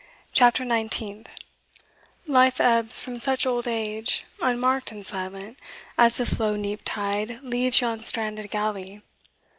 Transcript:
CHAPTER NINETEENTH Life ebbs from such old age, unmarked and silent, As the slow neap tide leaves yon stranded galley.